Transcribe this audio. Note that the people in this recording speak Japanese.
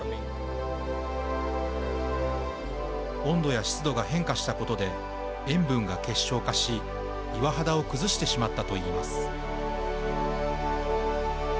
温度や湿度が変化したことで、塩分が結晶化し岩肌を崩してしまったといいます。